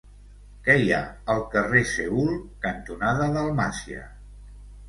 Què hi ha al carrer Seül cantonada Dalmàcia?